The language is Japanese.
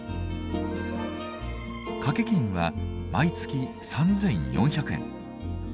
掛金は毎月３，４００円。